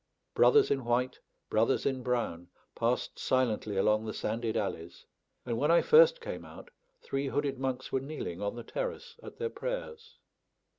Brothers in white, brothers in brown, passed silently along the sanded alleys; and when I first came out, three hooded monks were kneeling on the terrace at their prayers.